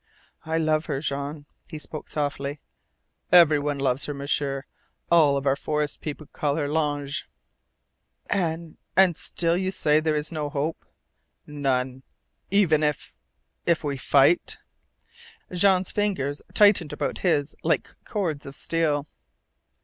"I love her, Jean," he spoke softly. "Every one loves her, M'sieur. All our forest people call her 'L'Ange.'" "And still you say there is no hope?" "None." "Not even if we fight ?" Jean's fingers tightened about his like cords of steel.